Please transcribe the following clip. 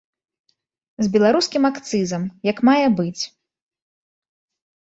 З беларускім акцызам, як мае быць.